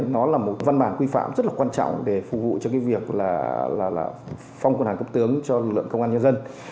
nó là một văn bản quy phạm rất là quan trọng để phục vụ cho việc phong quân hành cấp tướng cho lực lượng công an nhân dân